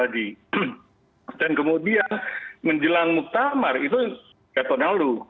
dan kemudian menjelang muktamar itu ketonalu